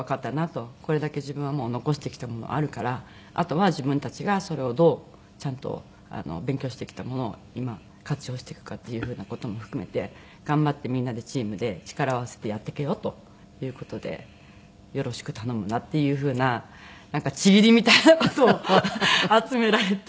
「これだけ自分は残してきたものがあるからあとは自分たちがそれをどうちゃんと勉強してきたものを今活用していくかっていう風な事も含めて頑張ってみんなでチームで力を合わせてやっていけよ」という事で「よろしく頼むな」っていう風ななんか契りみたいな事を集められて。